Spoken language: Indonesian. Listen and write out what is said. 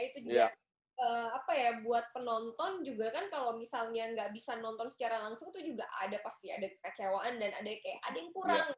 itu juga apa ya buat penonton juga kan kalau misalnya nggak bisa nonton secara langsung tuh juga ada pasti ada kecewaan dan ada kayak ada yang kurang